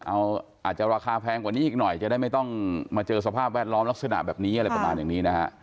อาจจะราคาแพงกว่านี้อีกหน่อยจะได้ไม่ต้องมาเจอสภาพแวดล้อมลักษณะแบบนี้